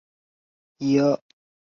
古培雷火山遗骸目前仍在火山北部。